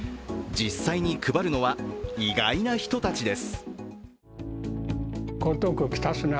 実際に配るのは意外な人たちです。